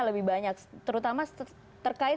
lebih banyak terutama terkait